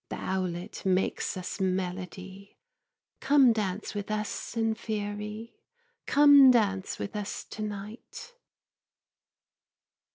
The owlet makes us melody Come dance with us in Faëry, Come dance with us to night.